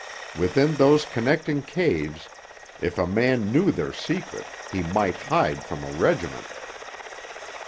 Within those connecting caves, if a man knew their secret, he might hide from a regiment.